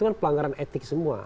kan pelanggaran etik semua